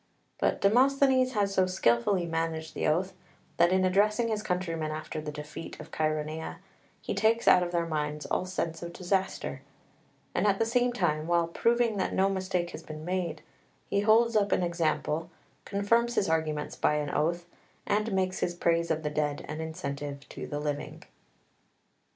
But Demosthenes has so skilfully managed the oath that in addressing his countrymen after the defeat of Chaeronea he takes out of their minds all sense of disaster; and at the same time, while proving that no mistake has been made, he holds up an example, confirms his arguments by an oath, and makes his praise of the dead an incentive to the living.